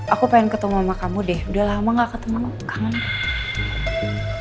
aku pengen ketemu sama kamu deh udah lama gak ketemu aku kangen